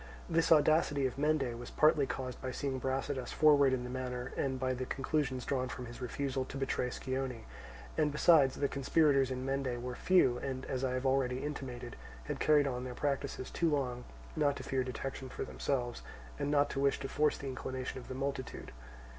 This audacity of Mende was partly caused by seeing Brasidas forward in the matter and by the conclusions drawn from his refusal to betray Scione; and besides, the conspirators in Mende were few, and, as I have already intimated, had carried on their practices too long not to fear detection for themselves, and not to wish to force the inclination of the multitude.